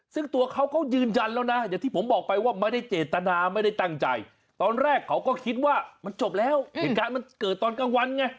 ซึ่งตัวเขาก็ยืนยันแล้วนะอย่างที่ผมบอกไปว่าไม่ได้เจตนาไม่ได้ตั้งใจตอนแรกเขาก็คิดว่ามันจบแล้วเหตุการณ์มันเกิดตอนกลางวันไง